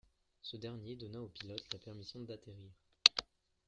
Ce dernier donna aux pilotes la permission d'atterrir.